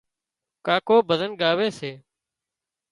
ڪاڪو ڀزن ڳاوي سي